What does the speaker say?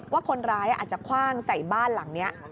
ว่าคนร้ายอาจจะคว่างใส่บ้านหลังนี้